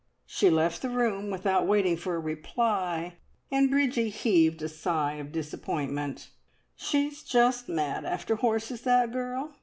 She left the room without waiting for a reply, and Bridgie heaved a sigh of disappointment. "She's just mad after horses, that girl.